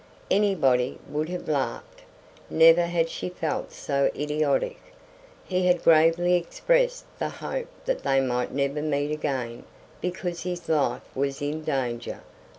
Anybody would have laughed. Never had she felt so idiotic. He had gravely expressed the hope that they might never meet again because his life was in danger.